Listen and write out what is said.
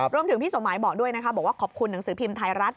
รวมถึงพี่สมายบอกด้วยบอกว่าขอบคุณหนังสือพิมพ์ไทยรัฐ